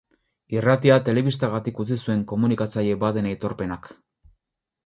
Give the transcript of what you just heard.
Irratia telebistagatik utzi zuen komunikatzaile baten aitorpenak.